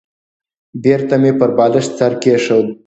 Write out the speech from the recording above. بېرته مې پر بالښت سر کېښود.